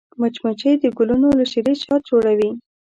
مچمچۍ د ګلونو له شيرې شات جوړوي